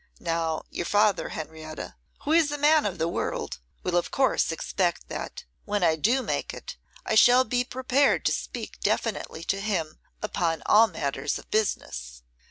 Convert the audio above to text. Now your father, Henrietta, who is a man of the world, will of course expect that, when I do make it, I shall be prepared to speak definitely to him upon all matters of business.